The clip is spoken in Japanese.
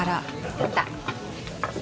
やった！